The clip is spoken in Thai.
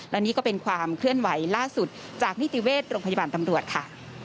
และนี่ก็เป็นความเคลื่อนไหวล่าสุดจากนิติเวชโรงพยาบาลตำรวจค่ะ